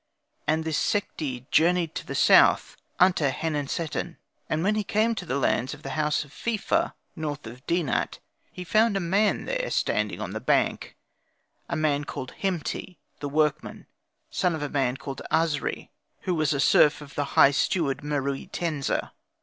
And this Sekhti journeyed to the south unto Henenseten; and when he came to the lands of the house of Fefa, north of Denat, he found a man there standing on the bank, a man called Hemti the workman son of a man called Asri, who was a serf of the High Steward Meruitensa.